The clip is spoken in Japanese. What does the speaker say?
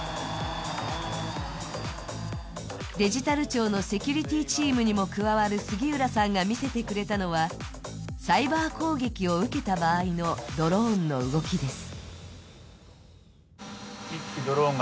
デジタル庁のセキュリティーチームにも加わる杉浦さんが見せてくれたのはサイバー攻撃を受けた場合のドローンの動きです。